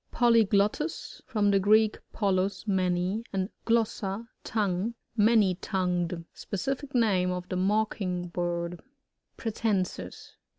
PoLYGLOTTus. — From the Greek, polu$^ many, and glossa^ tongue. Many.tongued. Specific name of the Mocking bird. Pratb.nsis.